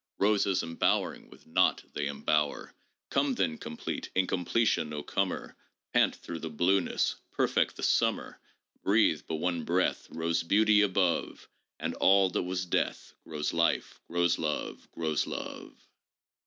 Roses embowering with naught they embower ! Come then, complete incompletion, O comer, Pant through the blueness, perfect the summer ! Breathe but one breath Rose beauty above, And all that was death Grows life, grows love, Grows love!"